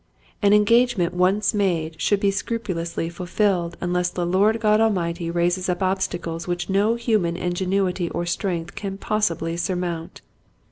An engagement once made should be scrupulously fulfilled unless the Lord God Almighty raises up obstacles which no human ingenuity or strength can possibly surmount.